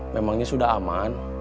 memangnya sudah aman